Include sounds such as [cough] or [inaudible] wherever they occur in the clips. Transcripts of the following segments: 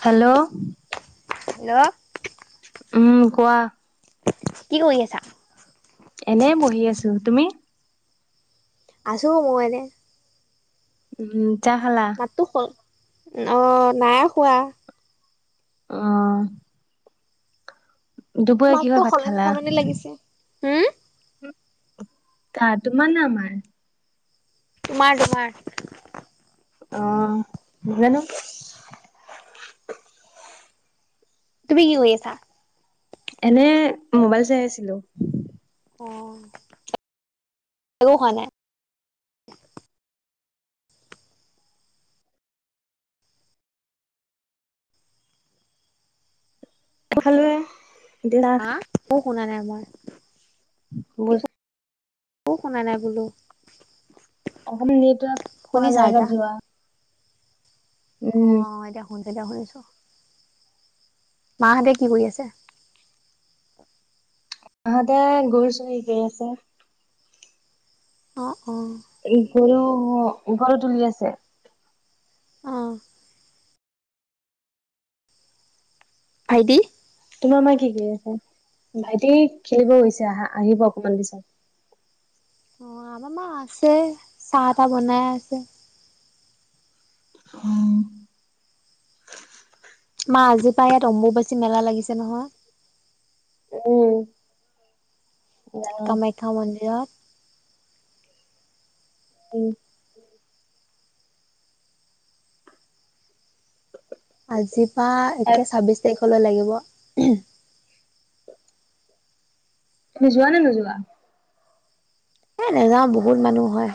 Hello? Hello? উম, কোৱা। কি কৰি আছা? এনে বহি আছো। তুমি? আছোঁ মই এনে। উম। চাহ খালা মাতটো স অঁ, নাই শুৱা। অহ। মাতটো ভাত সলনি খালা সলনি লাগিছে, হম। কাৰ তোমাৰ না আমাৰ? তোমাৰ, তোমাৰ। অ', নাজানো। তুমি কি কৰি আছা? এনে মোবাইল চাই আছিলোঁ। অ', একো হোৱা নাই। ভালে। দিনা হা একো শুনা নাই মই। বহুজ একো শুনা নাই বোলো। অকমান নিটৱৰ্ক পোৱা শুনিছা জেগাত যোৱা। উম অহ, এদিয়া শুন এতিয়া শুনিছোঁ। মাহ'তে কি কৰি আছে? মা হ'তে গুৰ চৰি দি আছে। অ'। অ' এই গৰু অঁ, উগল তুলি আছে। অঁ। ভাইটি? তোমাৰ মাৰ কি কৰি আছে? ভাইটি খেলিব গৈছে আহিব অকমান পিছত অ' আমাৰ মা আছে চাহ তা বনাই আছে। অ' মা আজিৰ পৰা ইয়াত অম্বুবাচী মেলা লাগিছে নহয়। জানো কামাখ্যা মন্দিৰত। উম আজি পৰা তাক একে ছাব্বিশ তাৰিখলৈ লাগিব। তুমি যোৱা নে ন যোৱা? এ নাযাওঁ বহুত মানুহ হয়।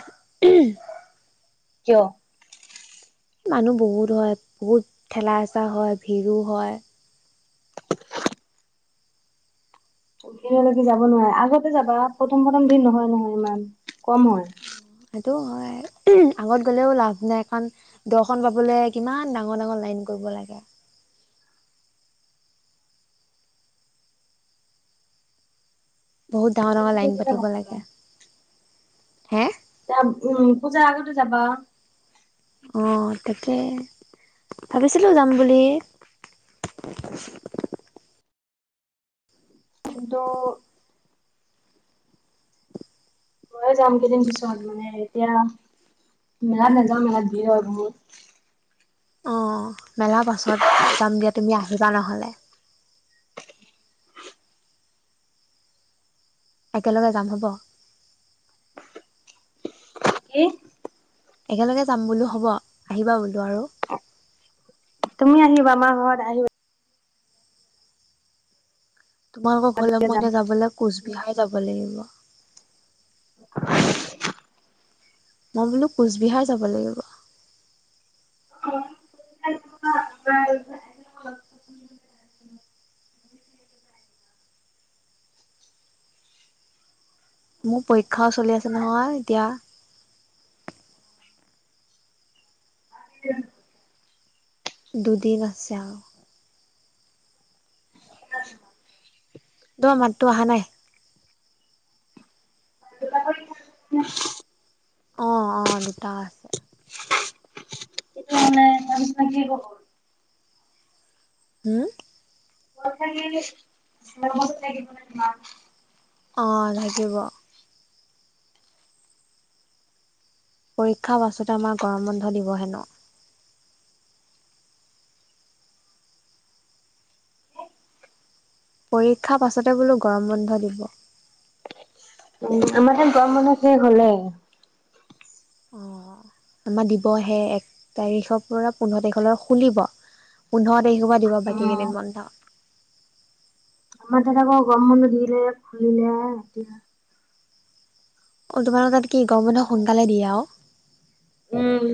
কিয়? মানুহ বহুত হয় বহুত ঠেলা হেচা হয় ভিৰো হয়, ভিৰলৈকে যাব নোৱাৰে আগতে যাবা প্ৰথম প্ৰথম ভিৰ নহয় নহয় ইমান কম হয়। সটো হয় আগত গ'লেও লাভ নাই কান দৰ্শন পাবলৈ কিমান ডাঙৰ ডাঙৰ লাইন কৰিব লাগে, বহুত ডাঙৰ ডাঙৰ লাইন এতিয়া পাতিব লাগে হা যাম উম পূজাৰ আগতে যাবা অ' তাকে ভাবিছিলো যাম বুলি কিন্তু, ময় যাম দুদিন পিছত মানে এতিয়া মেলাত নাযাম মেলাত ভিৰ হয় বহুত, অ' মেলা পাছত যাম দিয়া তুমি আহিবা নহলে একেলগে যাম হ'ব, কি? একেলগে যাম বোলো হ'ব আহিবা বোলো আৰু মি আহিবা আমাৰ ঘৰত আহিবলৈ তোমালোকৰ ঘৰলে তেতিয়া মই যাম। এতিয়া যাবলৈ কোচবিহাৰ, যাব লাগিব, [unintelligible] মই বোলো, কোচবিহাৰ যাব লাগিব, অ' [unintelligible] মোৰ পৰীক্ষাও চলি আছে নহয় এতিয়া। এতিয়া। দুুদিন আছে আও। [inaudible] তোমাৰ মাতটো আহা নাই। কিবা কৈ [unintelligible] অ', অ', দুটা আছে। এতিয়া মানে [unintelligible] কি ক'ব? হম। [unintelligible] না তোমাক। অ', লাগিব। পৰীক্ষাৰ পাছতে আমাৰ গৰম বন্ধ দিবহে ন। পৰীক্ষাৰ পাছতে বোলো গৰম বন্ধ দিব। উম, আমাৰ তাত গৰম বন্ধ শেষ হ'লেই। উম, আমাৰ দিবহে এক তাৰিখৰ পৰা পোন্ধৰ তাৰিখলৈ খুলিব, পোন্ধৰ তাৰিখৰ পৰা দিব বাকী উম কেইদিন বন্ধ। আমাৰ তাত আকৌ গৰম বন্ধ দিলে খুলিলে আ এত অ', তোমাৰ লগত কি গৰম বন্ধ সোনকালে দিয়ে আও। উম।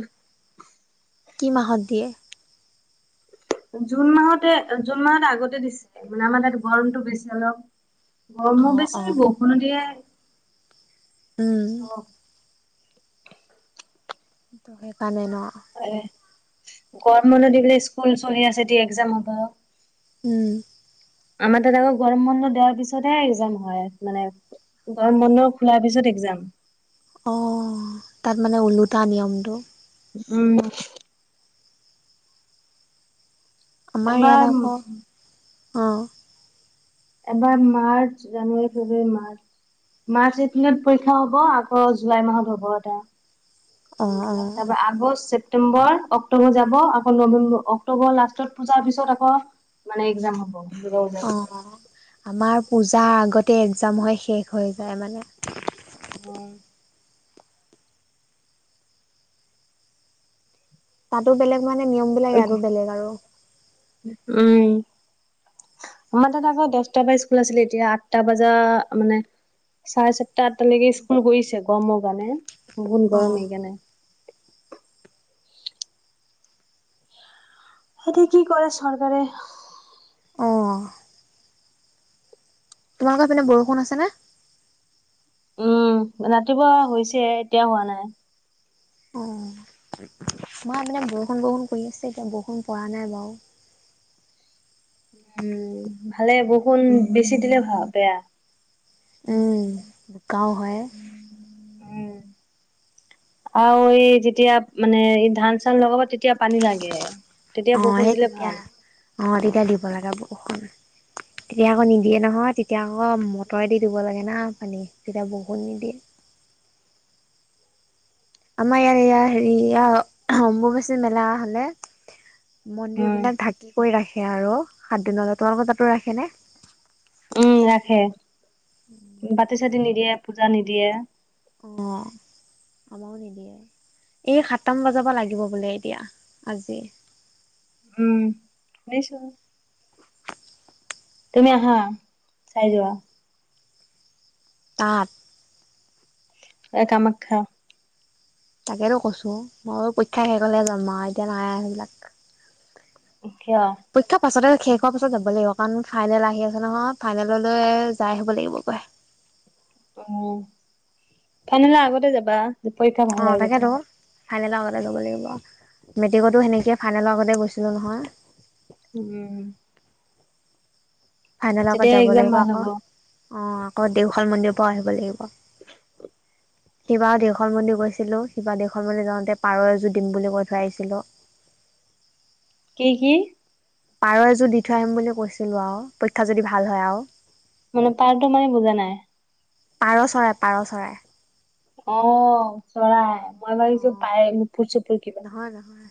কি মাহত দিয়ে? জুন মাহতে, জুন মাহত আগতে দিছে। মানে আমাৰ তাত গৰমটো বেছি অলপ। গৰমো অ', বেছি, অ', বৰষুণো দিয়ে। উম অ। ত' সেইকাৰণে ন'। [inaudible] গৰম বন্ধ দিলে, স্কুল চলি আছে, এতিয়া এক্সাম হ'ব। উম। আমাৰ তাত আকৌ গৰম বন্ধ দিযা পিছতহে এক্সাম হয়, মানে গৰম বন্ধ খোলাৰ পিছত এক্সাম। অঁ। তাত মানে ওলোটা নিয়মটো। উম। এবাৰ উ অঁ। এবাৰ মাৰ্চ জানুৱাৰী ফেব্ৰুৱাৰী মাৰ্চ, মাৰ্চ এপ্ৰিলত পৰীক্ষা হ'ব, আকৌ জুলাই মাহত হ'ব এটা। অ', অ', [unintelligible] আগষ্ট, চেপ ছেপ্টেম্বৰ, অক্টোবৰ যাব আকৌ নৱেম্বৰ, অক্টোবৰ লাষ্টত পূজাৰ পিছত আকৌ মানে এক্সাম হ'ব। অ'। [unintelligible] আমাৰ পূজাৰ আগতে এক্সাম হৈ শেষ হৈ যায় মানে। উম। তাতো বেলেগ মানে নিয়ম বিলাক আৰু বেলেগ আৰু। উম, আমাৰ তাত আকৌ দছটাৰ পৰা স্কুল আছিলে এতিয়া আঠটা বজা মানে চাৰে ছয়টা আঠটালৈকে স্কুল কৰিছে গৰমৰ কাৰণে। বহুত গৰম অ', সেইকাৰণে। সেইটোৱে কি কৰে চৰকাৰে। অ'। তোমালোকৰ সেইপিনে বৰষুণ আছেনে? উম, ৰাতিপুৱা হৈছে, এতিয়া হোৱা নাই। অ', আমাৰ পিনে বৰষুণ বৰষুণ কৰি আছে, এতিয়া বৰষুণ পৰা নাই বাৰু। উম, ভালে বৰষুণ বেছি দিলে বেয়া। গাওঁ হয়। উম। আৰু এই যেতিয়া মানে এই ধান চান লগাব তেতিয়া পানী লাগে। তেতিয়া অ', বৰষুণ সেই দিলে তেতিয়া ভাল। অ' তে তেতিয়া দিব লগা বৰষুণ। তেতিয়া আকৌ নিদিয়ে নহয় তে তেতিয়া আকৌ মটৰেদি দিব লাগে না পানী, তেতিয়া বৰষুণ নিদিয়ে। আমাৰ ইয়াত এয়া, হেৰি অম্বুবাচী মেলা হ'লে মন্দিৰ উম। বিলাক ঢাকি কৰি ৰাখে আৰু। সাত দিনলে তোমালোক তাতো ৰাখে নে। উম ৰাখে। বাটি চাতি নিদিয়ে। পূজা নিদিয়ে। অ আমাৰো নিদিয়ে এই সাতটান বজাৰ পৰা লাগিব বোলে এতিয়া আজি। উম তুমি আহা চাই যোৱা। তাত এ কামাখ্যা। তাকেইেতো কৈছো মই পৰীক্ষা শেষ কলে যাম আৰু এতিয়া নাই সেইবিলাক। কিয় পৰীক্ষাৰ পাছতে শেষ হোৱাৰ পাছত যাব লাগিব কাৰণ ফাইনেল আহি আছে নহয় ফাইনেললৈ যাই আহব লাগিব গৈ অ ফাইনেলৰ আগতে যাবা পৰীক্ষা অ ভাল হয় তাকেতো যাতে ফাইনেলৰ আগতে ল'ব লাগিব মেট্ৰিকতো সেনেকিয়ে ফাইনেলৰ আগতে গৈছিলো নহয়। উম। ফাইনেল আগত তেতিয়া যাব এক্জাম লাগিব ভাল আকৌ হ'ব অ আকৌ দেওশাল মন্দিৰ পৰা আহিব কিবা দেওশাল মন্দিৰ গৈছিলো কিবা দেওশাল মন্দিৰ যাওঁতে পাৰ এযোৰ দিম বুলি কৈ থৈ আহিছিলো। কি কি পাৰ এযোৰ দি থৈ আহিম বুলি কৈছিলো আৰু পৰীক্ষা যদি ভাল হয় আৰু মানে পাৰটো মানে বুজা নাই পাৰ চৰাই পাৰ চৰাই। অ চৰাই মই অ ভাবিছো পায় নহয় নহয়।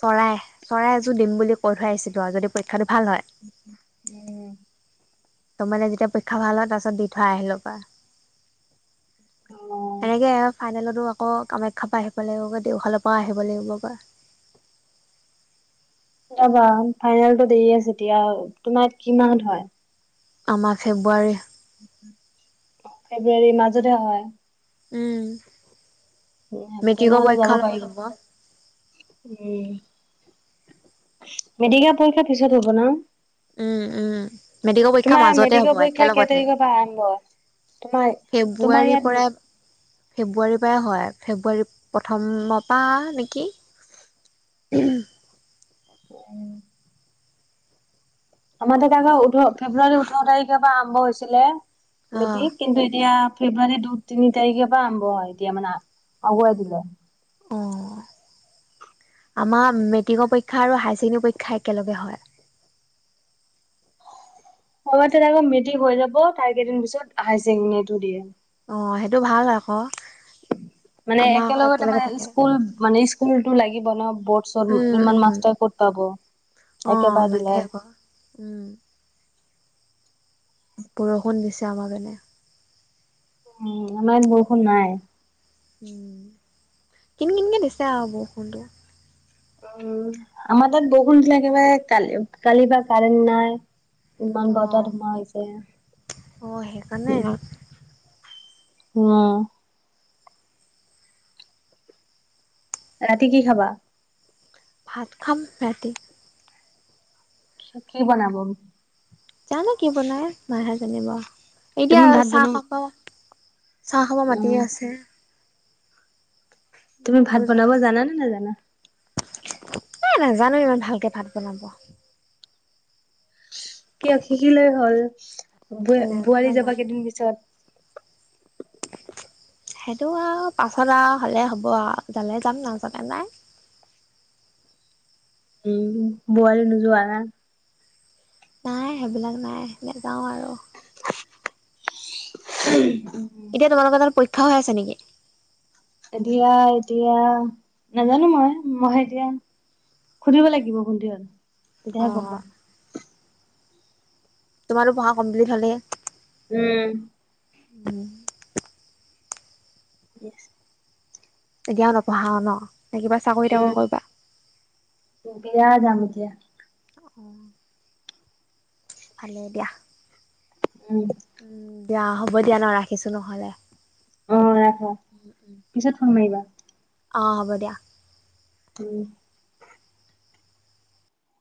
চৰাই চৰাই এযোৰ দিম বুলি কৈ থৈ আহছিলো আৰু যদি খাটো ভাল হয়। উম। ত মানে যেতিয়া পৰীক্ষা ভাল হয় তাৰপিছত দি থৈ আহিলে পাৰ। অ সেনেকে ফাইনেলতো আকৌ কামাখ্যাৰ পৰা আহিব লাগিব গৈ দেওশালৰ পৰা আহিব লাগিব গৈ। াবা [unintelligible] ফাইনেলতটো দেৰি আছে এতিয়া তোমাৰ ই কি মাহত হয় আমাৰ ফেব্ৰুৱাৰী। ফেব্ৰুৱাৰী মাজতে হয়। উম উ মেট্ৰিকৰ তেনেহলে যাব পৰীক্ষাৰ পাৰিব লগত হ'ব উম মেডিকেল পৰীক্ষাৰ পিছত হ'ব ন উম উম মেট্ৰিকৰ পৰীক্ষাৰ তোমাৰ মাজতে হ'ব মেডিকেল পৰীক্ষা কেই একেলগতে তাৰিখৰ পৰা আৰম্ভ হয় তোমাৰ তোমাৰ ফেব্ৰুৱাৰীৰ ইয়াত পৰাই ফেব্ৰুৱাৰীৰ পৰাই হয় ফেব্ৰুৱাৰী প্ৰথমৰ পৰা নেকি উ আমাৰ দাদাহঁতৰ ওঠৰ ফেব্ৰুৱাৰী ওঠৰ তাৰিখে পৰা আৰম্ভ হৈছিলে। মিতি অ' [unintelligible] কিন্তু এতিয়া ফেব্ৰুৱাৰী দু তিনি তাৰিখে পৰা আৰম্ভ হয়, এতিয়া মানে আগুৱাই দিলে। অঁ, আমাৰ মেট্ৰিকৰ পৰীক্ষা আৰু হাই ছেকেণ্ডাৰী পৰীক্ষা একেলগে হয়। আমাৰ টোত আকৌ মেট্ৰিক হৈ যাব তাৰ কেইদিন পিছত হাই ছেকেণ্ডৰীটো দি দিম। অঁ সেইটো ভাল আকৌ। মানে আমাৰ আকৌ একেলগতে একেলগে মানে পাতে স্কুল মানে স্কুলতো লাগি ব ন বৰ্ডচৰ উম ইমান উম মাষ্টৰ ক'ত পাব, অ' একেবাৰে দিলে লাগে আকৌ উম বৰষুণ দিছ আমাৰ পিনে। উম, আমাৰ ইয়াত বৰষুণ নাই। উম, কিন কিনকে দিছে আৰু বৰষুণটো। উম, আমাৰ তাত বৰষুণ দিলে একেবাৰে কালি কালিৰ বা কাৰেণ্ট নাই। ইমান বতাহ অ' ধুমুহা হৈছে, অ' সেইকাৰণে উম। উম। ৰাতি কি খাবা। ভাত খাম ৰাতি। কি বনাব। জানো কি বনাই, মাইহে জানিব। এতিয়া তুমি ভাত চাহ বনো খাব চাহ খাব মাতিয়ে উম আছে। তুমি ভাত বোলো বনাব যাম জানা নে নাজানা। এ নাজানো ইমান ভালকে ভাত বনাব। কিয় শিকিলেই হ'ল। [inaudible] বোৱা নাজানো বোৱাৰী মই যাবা কেইদিন পিছত। সেইটো আৰু পাছত আৰু হ'লে হ'ব আৰু যালে যাম নাজালে নাই। উম, বোৱাৰী নোযোৱা। নাই, সেইবিলাক নাই নাযাও আৰু। [inaudible] এতিয়া তোমালোকৰ তাত প খা হৈ আছে নেকি। এতিয়া- এতিয়া নাজানো মই, মই এতিয়া সুধিব লাগিব [unintelligible] হয়। অ তেতিয়াহে গম পাম। তোমাৰো পঢ়া কমপ্লিট হ'লেই। উম। উম। [unintelligible] এতিয়া আৰু নপঢ়া আও ন। নে কিবা চাকৰি তাকৰি উম, কৰিবা ত বিয়া যাম এতিয়া অঁ ভালে দিয়া। উম উম, দিয়া হ'ব দিয়া ন ৰাখিছো নহলে। অ' ৰাখা পিছত ফোন মাৰিবা। অঁ' হব দিয়া। উম,